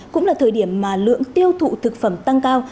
cũng là thời điểm mà lượng tiêu thụ tiêu thụ